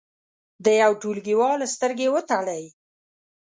د یو ټولګیوال سترګې وتړئ.